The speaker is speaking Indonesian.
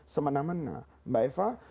semena mena mbak eva